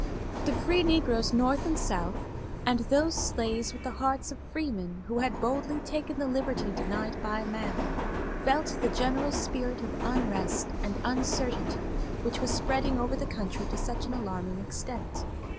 The free negroes North and South, and those slaves with the hearts of freemen who had boldly taken the liberty denied by man, felt the general spirit of unrest and uncertainty which was spreading over the country to such an alarming extent.